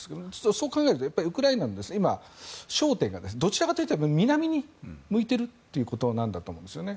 そう考えるとウクライナの今の焦点がどちらかというと南に向いているということなんだと思うんですよね。